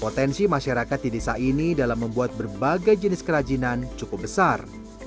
potensi masyarakat di desa ini dalam membuat berbagai jenis kerajinan cukup besar